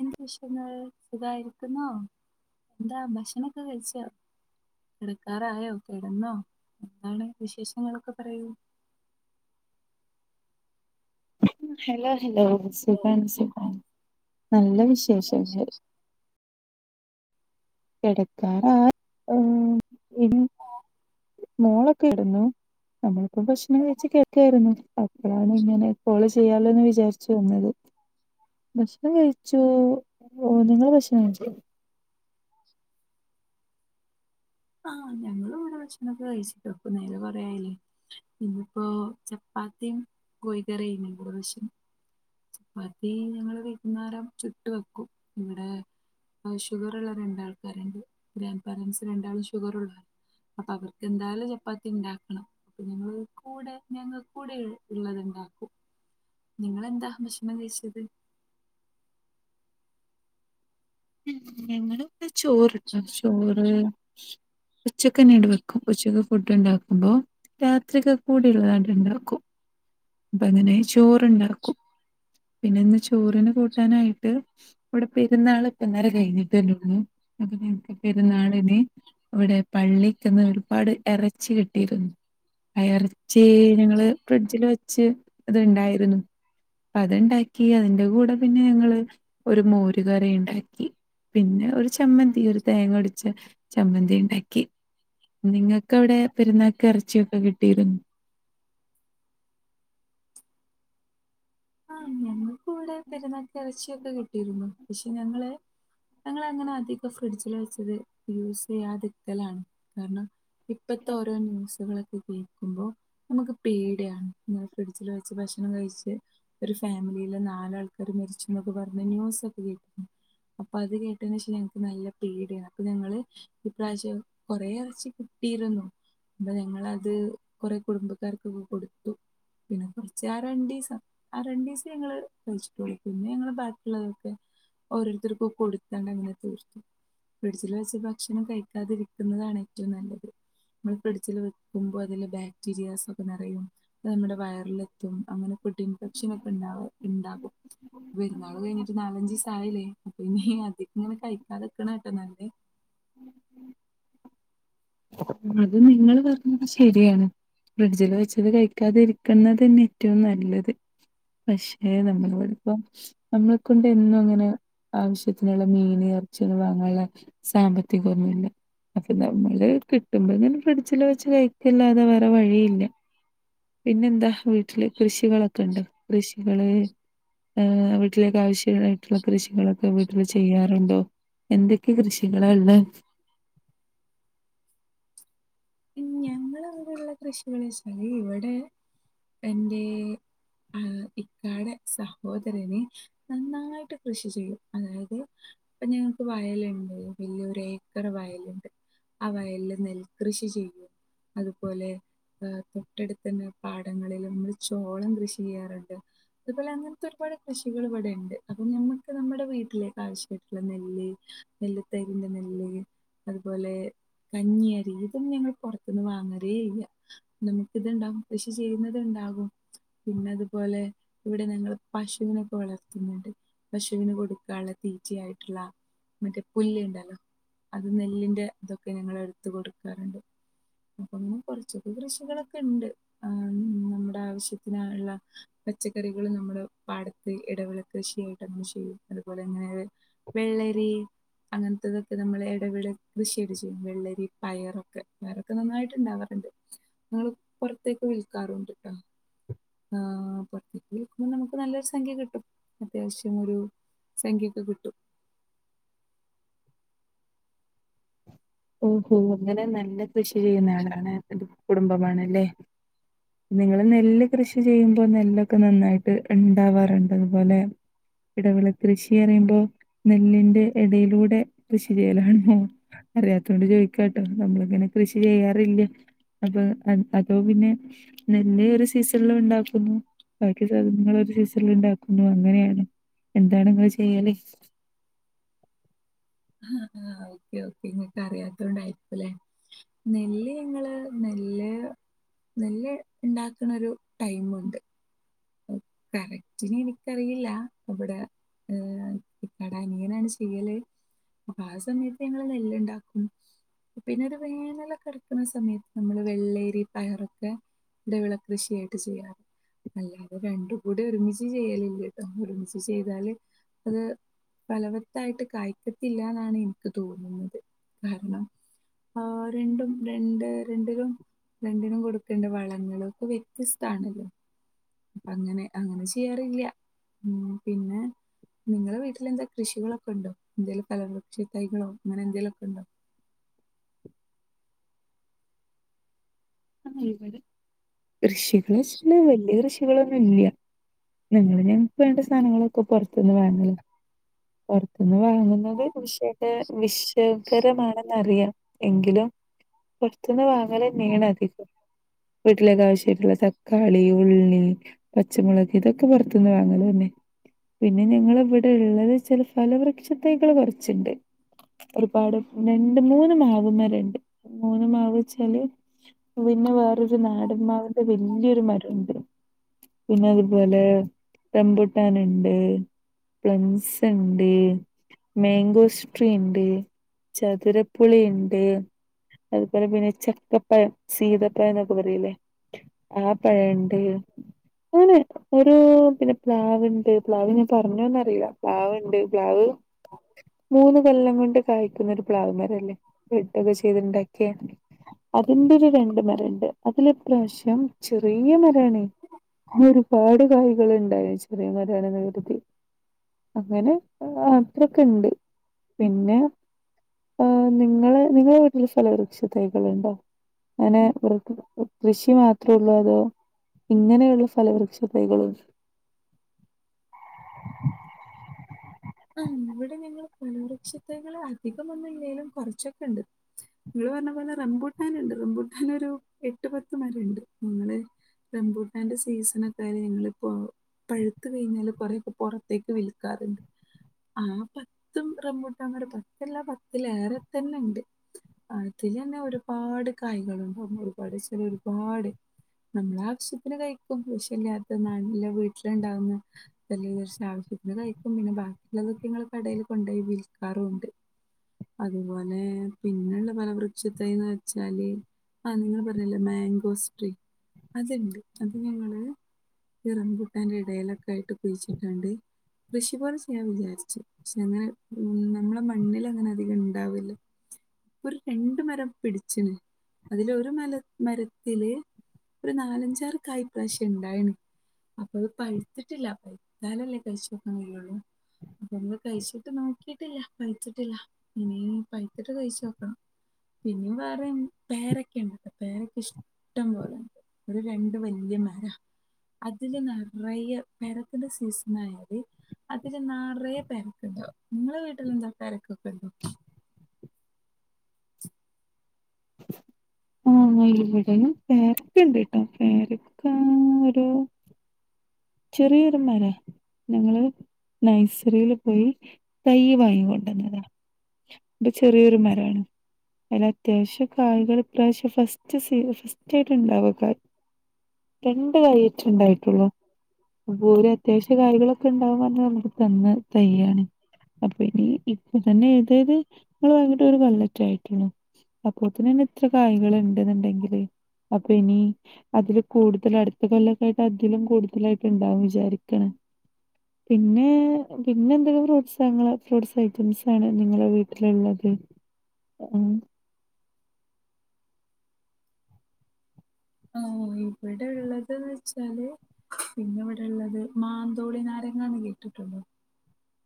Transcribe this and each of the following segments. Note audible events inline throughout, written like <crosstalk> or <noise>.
എന്ത് വിഷയങ്ങള് സുഖായിരിക്കുന്നോ? എന്താ ഭക്ഷണൊക്കെ കഴിച്ചോ? കിടക്കാറായോ കെടന്നോ? എന്താണ് വിശേഷങ്ങളൊക്കെ പറയു ഹലോ ഹലോ സുഖാണ് സുഖാ നല്ല വിശേ ശരി ശരി ശരി കിടക്കാറാ ഇ ഇൽ മോളൊക്കെ കെടുന്നു നമ്മൾ ഇപ്പൊ ഭക്ഷണം കഴിച്ച് കിടക്കായിരുന്നു <unintelligible> അപ്പോഴാണ് ഇങ്ങനെ കോള് ചെയ്യാലോ എന്ന് വിചാരിച്ചു വന്നത് ഭക്ഷണം കഴിച്ചു ഓ നിങ്ങള് ഭക്ഷണം കഴിച്ചോ? <inaudible> ആഹ ഞങ്ങള് ഇവിടെ ഭക്ഷണൊക്കെ കഴിച്ചിട്ടോ ഇപ്പൊ നേരം കൊറേ ആയില്ലേ പിന്ന ഇപ്പോ ചപ്പാത്തിയും കോഴിക്കറിയും ഇവിടെ ഭക്ഷ ചപ്പാത്തി ഞങ്ങൾ വൈകുന്നേരം ചുട്ടു വെക്കും ഇവിടെ ഷുഗർ ഉള്ള രണ്ടാൾക്കാരുണ്ട് ഗ്രാൻഡ് പാരന്റ്സ് രണ്ടാളും ഷുഗറുള്ളവർ അപ്പൊ അവർക്ക് എന്തായാലും ചപ്പാത്തി ഉണ്ടാക്കണം അപ്പൊ ഞങ്ങൾ കൂടെ ഞങ്ങൾക്കൂടെ ഉള്ളത്ണ്ടാക്കും നിങ്ങെക്കെന്താ ഭക്ഷണം കഴിച്ചത് ഞങ്ങളുപ്പ ചോറുണ്ടാവും, ചോറ് ഉച്ചക്കങ്ങനെ വെക്കും. ഉച്ചക്ക് ഫുഡ് ഉണ്ടാക്കുമ്പോ രാത്രിക്ക കൂടി ഉള്ളതായിട്ടുണ്ടാക്കും. അപ്പ അങ്ങനെ. ചോറുണ്ടാക്കും. പിന്നെ ഇന്ന് ചോറിന് കൂട്ടാനായിട്ട് ഇവിടെ പെരുന്നാള് <unintelligible> കഴിഞ്ഞിട്ടന്നള്ളു അപ്പൊ ഞങ്ങക്ക് പെരുന്നാളിന് ഇവിടെ പള്ളിക്കന്ന് ഒരുപാട് ഇറച്ചി കിട്ടിയിരുന്നു. ആ ഇറച്ചി ഞങ്ങള് ഫ്രിഡ്ജിൽ വെച്ച് ഇത്ണ്ടായിരുന്നു. അത്ണ്ടാക്കി അതിന്റെ കൂടെ പിന്നെ ഞങ്ങള് ഒരു മോരുകറി ഉണ്ടാക്കി. പിന്നെ ഒരു ചമ്മന്തി ഒരു തേങ്ങ ഒടിച്ച് ചമ്മന്തി ഇണ്ടാക്കി. നിങ്ങൾക്ക് അവിടെ പെരുന്നാക്ക് ഇറച്ചിയൊക്കെ കിട്ടിയിരുന്നു. ആഹ് ഞങ്ങക്ക് ഇവിടെ പെരുന്നാൾക്ക് ഇറച്ചിയൊക്കെ കിട്ടിയിരുന്നു. പക്ഷെ ഞങ്ങള് ഞങ്ങള അങ്ങനെ അധികം ഫ്രിഡ്ജില് വെച്ചത് യൂസ് ചെയ്യാതിരിക്കലാണ്. കാരണം, ഇപ്പത്തെ ഓരോ ന്യൂസുകളൊക്കെ യിലെ ക്കുമ്പോ. നമുക്ക് പേടിയാണ്. ങ്ങെ ഫ്രിഡ്ജിൽ വെച്ച് ഭക്ഷണം കഴിച്ച്. ഒരു ഫാമിലിയിലെ നാല് ആൾക്കാർ മരിച്ചു. എന്നൊക്കെ പറഞ്ഞു ന്യൂസൊക്കെ കേട്ടിരിക്കണു. അപ്പൊ അത് കേട്ട <unintelligible> ഞങ്ങക്ക് നല്ല പേടിയ അപ്പൊ ഞങ്ങള് ഈ പ്രാവശ്യം കൊറെ ഇറച്ചി കിട്ടിയിരുന്നു. അപ്പ ഞങ്ങളത് കുറെ. കുടുംബക്കാർക്കൊക്കെ കൊടുത്തു പിന്നെ കുറച്ച് ആ രണ്ടിസ ആ രണ്ടിസം ഞങ്ങള് കഴിച്ചിട്ടുള്ളു. പിന്നെ ഞങ്ങള് ബാക്കിയുള്ളതൊക്കെ ഓരോരുത്തർക്കും കൊടുത്താണ്ട് അങ്ങനെ തീർത്തു. ഫ്രഡ്ജിൽ വെച്ച് ഭക്ഷണം കഴിക്കാതിരിക്കുന്നതാണ് ഏറ്റവും നല്ലത്. നമ്മള് ഫ്രഡ്ജില് വെക്കുമ്പോൾ അതില് ബാക്ടീരിയാസ്. ഇപ്പൊ നിറയും. നമ്മുടെ വയറില്. അങ്ങനെ <unintelligible> ഉണ്ടാവ ഉണ്ടാകും. പെരുന്നാൾ കഴിഞ്ഞിട്ട് നാലഞ്ച് ദിവസായില്ലേ. അപ്പൊ ഇനി അത് ഇങ്ങനെ കഴിക്കാതെക്കണട്ടെ നല്ലേ. അത് നിങ്ങൾ പറഞ്ഞത് ശരിയാണ്. ഫ്രിഡ്ജില് വെച്ചത് കഴിക്കാതിരിക്കുന്നത് തന്നെ ഏറ്റവും നല്ലത്. പക്ഷെ നമ്മൾപ്പ നമ്മളെ കൊണ്ട് എന്നും അങ്ങനെ ആവശ്യത്തിനുള്ള മീൻ ഇറച്ചും വാങ്ങാനുള്ള സാമ്പത്തികമൊന്നുമില്ല. അപ്പൊ നമ്മള് കിട്ടുമ്പോ ഇങ്ങനെ ഫ്രിഡ്ജില് വെച്ച് കഴിക്കില്ലാതെ വേറെ വഴിയില്ല. പിന്നെന്താ വീട്ടില് കൃഷികളൊക്കെ ഉണ്ടാ. കൃഷികള് വീട്ടിലേക്ക് ആവശ്യായിട്ടുള്ള കൃഷികളൊക്കെ വീട്ടില് ചെയ്യാറുണ്ടോ? എന്തൊക്കെ കൃഷികളാണ് ഉള്ളെ? ഞങ്ങള് അവിടെള്ള കൃഷികള് വെച്ചാല്, ഇവിടെ എന്റെ ആ ഇക്കാടെ സഹോദരനെ നന്നായിട്ട് കൃഷി ചെയ്യും. അതായത് ഇപ്പൊ ഞങ്ങക്ക് വയലുണ്ട്. വലിയ ഒരു ഏക്കർ വയലുണ്ട്. ആ വയലില് നെൽകൃഷി ചെയ്യും. അതുപോലെ തൊട്ടടുത്തന്നെ പാടങ്ങളിൽ നമ്മള് ചോളം കൃഷി ചെയ്യാറുണ്ട്. അതുപോലെ അങ്ങനത്തെ ഒരുപാട് കൃഷികൾ ഇവിടെ ഇണ്ട്. അപ്പൊ ഞമ്മക്ക് നമ്മുടെ വീട്ടിലേ ആവശ്യമായിട്ടുള്ള നെല്ല് നെല്ല്കുത്തരിന്റെ നെല്ല് അതുപോലെ കഞ്ഞിയരി ഇതും ഞങ്ങൾ പൊറ ന്ന് വാങ്ങതേയില്ല. നമുക്ക് ഇത്ണ്ടാവും കൃഷി ചെയ്യുന്നതുണ്ടാകും. പിന്നെ അതുപോലെ ഇവിടെ ഞങ്ങൾ പശുവിനൊക്കെ വളർത്തുന്നുണ്ട്. പശുവിന് കൊടുക്കാനുള്ള തീറ്റ ആയിട്ടുള്ള മറ്റേ പുല്ല് ഇ ണ്ടല്ലോ അത്. നെല്ലിന്റെ ഇതൊക്കെ ഞങ്ങള് എടുത്തു കൊടുക്കാറുണ്ട്. <unintelligible> കുറച്ചൊക്കെ കൃഷികളൊക്കെ ഉണ്ട്. നമ്മുടെ ആവശ്യത്തിനായുള്ള പച്ചക്കറികള് നമ്മള് പാടത്ത് ഇടവിള കൃഷിയായിട്ട് നമ്മള് ചെയ്യും. അതുപോലെ ഇങ്ങനെ വെള്ളരി അങ്ങനത്തതൊക്കെ നമ്മൾ ഇടവിള കൃഷിയായിട്ട് ചെയ്യും. വെള്ളരി പയറൊക്കെ വേറെ. ക്കെ നന്നായിട്ട് ഉണ്ടാവാറുണ്ട്. നമ്മൾ പുറത്തേക്ക് വിൽക്കാറുണ്ടട്ടാ. ആഹ പുറത്തേക്ക് വിൽക്കുമ്പോൾ നമുക്ക് നല്ലൊരു സംഖ്യ കിട്ടും അത്യാവശ്യ ഒരു സംഖ്യക്കെ കിട്ടും. ഓഹോ അങ്ങനെ നല്ല കൃഷി ചെയ്യുന്ന ആളാണ്. കുടുംബമാണല്ലേ നിങ്ങള് നെല്ല് കൃഷി ചെയ്യുമ്പോ, നെല്ലൊക്കെ നന്നായിട്ട് ഇണ്ടാവാറുണ്ട്. അതുപോലെ ഇടവിള കൃഷി അറിയുമ്പോ നെല്ലിന്റെ ഇടയിലൂടെ കൃഷി ചെയ്യലാണ്. അറിയാത്തോണ്ട് ചോയ്ക്കാട്ടോ നമ്മളിങ്ങനെ കൃഷി ചെയ്യാറില്ലേ. അപ്പൊ അതോ പിന്നെ നെല്ല് ഒരു സീസണില് ഉണ്ടാ. ഹാ ഹാ ഓക്കെ ഓക്കെ ഇങ്ങക്ക് അറിയാത്തോണ്ടായിരിക്കൂല്ലേ, നെല്ല് ങ്ങള് നെല്ല് നെല്ല് ണ്ടാക്കണരു ടൈമുണ്ട്. കറക്റ്റിന് എനിക്കറിയില്ല. ഇവിടെ ഇക്കാടെ അനിയനാണ് ചെയ്യല്. അപ്പൊ ആ സമയത്ത് ഞങ്ങള് നെല്ല്ണ്ടാക്കും. പിന്നെ ഒരു വേനലെക്കെട്ക്ക്ണ സമയത്ത് നമ്മള് വെള്ളേരി പയറൊക്കെ ഇടവിള കൃഷിയായിട്ട് ചെയ്യാറ് നല്ല രണ്ടു കൂടി ഒരുമിച്ച് ചെയ്യലില്ലട്ടോ. ഒരുമിച്ച് ചെയ്താല് അത് ഫലവത്തായിട്ട് കായ്ക്കത്തില്ലാന്നാണ് ഇൻക്ക് തോന്നുന്നത്, കാരണം ആ രണ്ടും രണ്ട് രണ്ടിനും രണ്ടിനും കൊടുക്കേണ്ട വളങ്ങളൊക്കെ വ്യത്യസ്താണല്ലോ. അങ്ങനെ അങ്ങനെ ചെയ്യാറില്ല്യ. ഉം പിന്നെ നിങ്ങളെ വീട്ടില് എന്താ കൃഷികളൊക്കൊണ്ടോ? എന്തേലും ഫലവൃക്ഷ തൈകളോ അങ്ങനെ എന്തേലൊക്കെണ്ടോ? ആ ഇവിടെ. കൃഷികള്ച്ചാല് വല്യ കൃഷി ഇവടൊന്നുല്ല്യ നിങ്ങള് ഞങ്ങക്ക് വേണ്ട സാനങ്ങളൊക്കെ പൊറത്ത്ന്ന് വാങ്ങല് പൊറത്ത് ന്ന് വാങ്ങുന്നത് നിഷേ എ വിശകരമാണെന്നറിയാം എങ്കിലും പുറത്തുന്ന് വാങ്ങലന്നേണത് വീട്ടിലൊക്കെ ആവശ്യായിട്ടുള്ള തക്കാളി ഉള്ളി പച്ചമുളക് ഇതൊക്കെ പുറത്തുന്ന് വാങ്ങല് തന്നെ പിന്നെ ഞങ്ങളിവിടെ ഉള്ളത് ചില ഫലവൃക്ഷതൈകള് കൊറച്ച്ണ്ട് ഒരുപാട് രണ്ട് മൂന്ന് മാവ്മരണ്ട് മൂന്ന് മാവച്ചാല് പിന്നെ വേറൊരു നാടന്മാവിന്റെ വല്യോരു മരണ്ട് പിന്നെ അതുപോലെ റമ്പുട്ടാനുണ്ട് പ്ലംസ്ണ്ട് മേങ്കോസ്ട്രീണ്ട് ചതുരപ്പുളിയുണ്ട് അതുപോലെ പിന്നെ ചക്കപ്പഴം സീതപ്പഴം എന്നൊക്കെ പറയില്ലേ ആപ് പഴോണ്ട് അങ്ങനെ ഓരോ പിന്നെ പ്ലാവ്ണ്ട് പ്ലാവ് ഞാൻ പറഞ്ഞോന്നറിയില്ല പ്ലാവുണ്ട് പ്ലാവ് മൂന്ന് കൊല്ലം കൊണ്ട് കായ്ക്കുന്നൊരു പ്ലാവ് മരല്ലേ ബെഡൊക്കെ ചെയ്തിണ്ടാക്കിയ അതിന്റെരു രണ്ട് മരണ്ട് അതിലിപ്രാവശ്യം ചെറിയ മരാണ് അതിലൊരുപാട് കായ്കൾ ഉണ്ടായി ചെറിയ മരാണെന്ന് കരുതി അങ്ങനെ അത്രൊക്കെണ്ട് പിന്നെ നിങ്ങളെ നിങ്ങള വീട്ടിൽ ഫലവൃക്ഷ തൈകളുണ്ടോ ങ്ങനെ പുറത്ത് കൃഷി മാത്രേ ഒള്ളൂ അതോ ഇങ്ങനെയുള്ള ഫലവൃക്ഷ തൈകളുണ്ട് ആ ഇവിടെ ഞങ്ങള് പലവൃക്ഷതൈകൾ അധികമൊന്നും ഇല്ലേലും കുറച്ചൊക്കെണ്ട് നിങ്ങള്പറഞ്ഞ പോലെ റംബൂട്ടാനുണ്ട് റംബൂട്ടാനൊരു എട്ട് പത്ത് മരം ണ്ട് ങ്ങള്റംബൂട്ടാന്റെ സീസണൊക്കെയാൽ ഞങ്ങിപ്പോ പഴുത്ത കഴിഞ്ഞാല് കൊറെ പൊറത്തേക്ക് വിൽക്കാറുണ്ട് ആ പത്തും റമ്പുട്ടാമരം പത്തല്ല പത്തിലേറെത്തന്നെണ്ട് അതിലെന്നെ ഒരുപാട് കായ്കളുണ്ട് നമ്മ ഒരുപാട് ഒരുപാട് നമ്മൾ ആവശ്യത്തിന് കഴിക്കും വിശല്ലാത്ത നല്ല വീട്ടിലുണ്ടാവുന്ന <unintelligible> ആവശ്യത്തിന് കഴിക്കും പിന്നെ ബാക്കിള്ളതൊക്കെങ്ങൾ കടേൽ കൊണ്ടോയി വിൽക്കാറുണ്ട് അതുപോലെ പിന്നെള്ള പലവൃക്ഷതൈന്ന് വെച്ചാല് ആ നിങ്ങൾ പറഞ്ഞില്ലേ മാങ്കോസ് ട്രീ അത്ണ്ട് അത് ഞങ്ങള് ഈ റമ്പുട്ടാന്റെടയിലൊക്കായിട്ട് കുഴിച്ചിട്ടാണ്ട് കൃഷി പോലെ ഞാൻ വിചാരിച്ചു ക്ഷെങ്ങനെ ഉം നമ്മളെ മണ്ണിലങ്ങനെ അധികണ്ടാവല് ഒരു രണ്ട് മരം പിടിച്ചിന് അതിലൊ ഒരു മല മരത്തില് ഒരു നാലഞ്ചാറ് കായി പ്രാവശ്യണ്ടായുണു അപ്പൊ അത് പഴത്തിട്ടില്ല പഴ്ത്താലല്ലേ കഴിച്ചോക്കാൻ കഴിയുള്ളു അപ്പൊത് കഴിച്ചിട്ട് നോക്കിട്ടില്ല പറിച്ചിട്ടില്ല ഇനി പഴുത്തിട്ട് കഴിച്ച തോക്ക് പിന്നെ വേറേം പേരക്കണ്ട് പേരക്ക ഇഷ്ടം പോലെണ്ട് ഒരു രണ്ട് വല്ല്യ മര അതില് നെറയെ പേരക്കന്റെ സീസൺ ആയാല് അതില് നറയെ പേരക്കണ്ടാവും ങ്ങളെ വീട്ടിലെന്താ പേരക്കൊക്കെണ്ടോ ആ ഇല്ല ബട പേരക്കണ്ട്ട്ടോ പേരക്ക ഒരു ചെറിയൊരു മര ഞങ്ങള് നൈസറിൽ പോയി തയ്യ് വാങ്ങീങ്കോണ്ടന്നതാ ഇപ്പൊ ചെറ്യോരു മരാണ് അല്ല ത്യാവശ്യ കായ്കൾ ഇപ്രാവശ്യം ഫസ്റ്റ് സീ ഫസ്റ്റായിട്ട് ണ്ടാവകായ് രണ്ട് കാര്യായ്ട്ടാണ്ടായിട്ടുള്ളു ദൂരെ അത്യാവശ്യ കാര്യ ങ്ങളൊക്കെ ഉണ്ടാവ പറഞ്ഞ നമുക്ക് തെങ്ങ് തയ്യാണ് അപ്പിനി ഇപ്പ തന്നെ തായത് നമ്മള് വന്നിട്ട് ഒരു കൊല്ലൊക്കെ ആയിട്ടുള്ളു അപ്പോ തന്നെ എത്ര കായങ്ങൾ ണ്ടൂന്ന്ണ്ടെങ്കില് അപ്പൊ ഇനി അതില് കൂടുതൽ അടുത്ത കൊല്ലക്കായിട്ട് അതിലും കൂടുതലായിട്ട് ഉണ്ടാകും വിചാരിക്ക്ണ് പിന്നെ പിന്നെന്തൊക്കെ ഫ്രൂട്ടസങ്ങള് ഫ്രൂട്ടസ് ഐറ്റംസ് ആണ് നിങ്ങളെ വീട്ടിലുള്ളത് ഉം ഓ ഇവിട്ള്ളതന്ന് വെച്ചാല് പിന്നെ ഇവിടെള്ളത് മാന്തോളി നാരങ്ങന്ന് കേട്ടിട്ടുണ്ടോ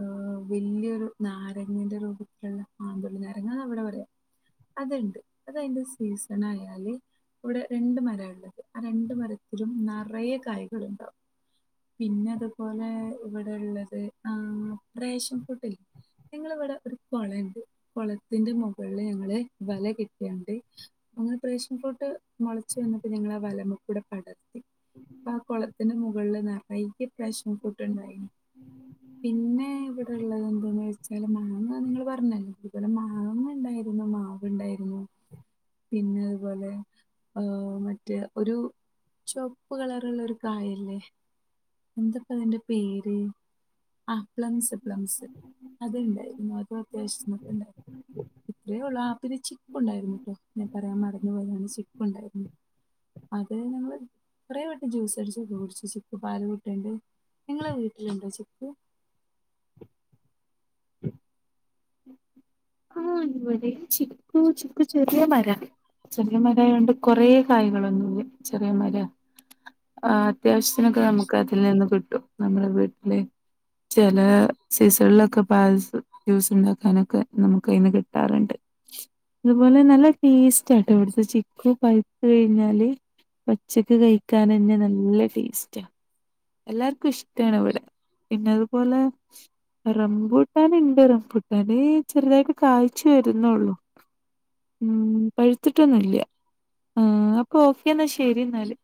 ഹ് വെല്യോരു നാരങ്ങന്റെ രൂപത്തിലുള്ള മാന്തോളി നാരങ്ങാന്നാ ഇവടെ പറയാം അത്ണ്ട് അത് അയിന്റെ സീസണായാല് ഇവിടെ രണ്ട് മരാള്ളത് ആ രണ്ട് മരത്തിലും നറയെ കായ്കളുണ്ടാവും പിന്നതുപോലെ ഇവിടള്ളത് ആ പ്രേഷൻ ഫ്രൂട്ട്ല്ലേ നിങ്ങളിവിടെ ഒരു കുളണ്ട് കുളത്തിന്റെ മുകളിൽ ഞങ്ങള് വല കെട്ടിയാണ്ട് അങ്ങനെ പ്രേഷൻ ഫ്രൂട്ട് മുൾ ച്ച് വന്നിട്ട് നിങ്ങളാ വലമകൂടെ പടത് ഇപ്പാ കൊളത്തിന്റെ മുകളില് നറ വൈറ്റ് പ്രേശം ഫ്രൂട്ടുണ്ടായിന് പിന്നെ ഇവിടള്ളതെന്തെന്ന് വെച്ചാല് മാങ്ങ അത് നിങ്ങള് പറഞ്ഞല്ലോ ഇവടെ മാവ്മ്മെണ്ടായതൊന്നും മാവ്ണ്ടായിരുന്നു പിന്നെ അതുപോലെ ഹ് മറ്റേ ഒരു ചോക് പ്പ് കളറുള്ളൊരു കായല്ലേ എന്തപ്പ അതിന്റെ പേര് ആ പ്ലംസ് പ്ലംസ് അത് ഉണ്ടായിരുന്നു അത് ഉത്യാശക്കണ്ടായി ഇത്രയേ ഉള്ള ആപ്പിന് ചിക്ക ഉണ്ടായിരുന്ന കേട്ടോ എന്നന്നെ പറയാൻ മടന്നു പോയാണ് ചക്ക് ച ഉണ്ടായിരുന്നു അത് ഞങ്ങള് കൊറെേ വീട്ടം ജ്യൂസ് അടച്ച് കുടിച്ചു ചിക്ക് പാൽ കുുട്ടുണ്ട് നിങ്ങളെ വീട്ടിലുണ്ടോ ചക്ക് <unintelligible> ചിക്കു ചുക്ക് ചെ ചെറിയ മര ചെറിയ മരായൊണ്ട് കൊറെേ കായകളൊന്നുല്ല്യ ചെറിയ മരാ ആ അത്യാവശ് ത്തിനൊക്കെ നമുക്ക് അതിൽ നിന്ന് കി ട്ടും നമ്മളെ വീട്ടില് ചെല സീസണിലൊക്കെ <unintelligible> ജ്യൂസ് ഉണ്ടാക്കാനൊക്കെ നമു ക്കൈന്ന് കിട്ടാറുണ്ട് അതുപോലെ നല്ല ടേസ്റ്റ് ആട്ടോ ഇവിടുത്തെ ചിക്കു പഴുത്ത് കഴിഞ്ഞാല് പച്ചക്ക് കഴിക്കാനെന്നെ നല്ല ടേസ്റ്റാ എല്ലാർക്കും ഇഷ്ടാണ് ഇവിടെ പിന്നെ അതുപോലെ റംപൂട്ടാന്ണ്ട് റംപൂട്ടാന് ചെറുതായി കായ്ച്ച് വരുന്നുള്ളൂ ഉം പഴുത്തിട്ടൊന്നും ല്ല്യ ആ അപ്പൊ ഓക്കെ എന്നാ ശരി ഇന്നാല്